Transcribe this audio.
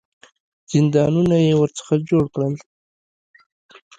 زندانونه یې ورڅخه جوړ کړل.